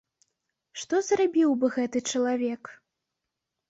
Што зрабіў бы гэты чалавек?